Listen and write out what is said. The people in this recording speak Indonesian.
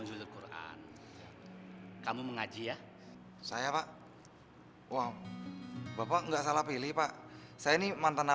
selalu melewati permintaan